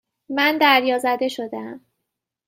من دریازده شدهام.